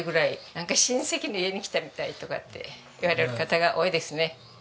なんか「親戚の家に来たみたい」とかって言われる方が多いですね。